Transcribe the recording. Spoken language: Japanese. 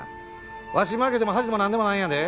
わしに負けても恥でもなんでもないんやで。